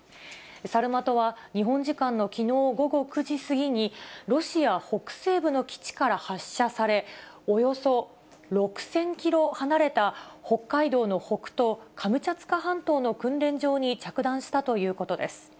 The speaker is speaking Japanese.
サルマトは日本時間のきのう午後９時過ぎに、ロシア北西部の基地から発射され、およそ６０００キロ離れた北海道の北東、カムチャツカ半島の訓練場に着弾したということです。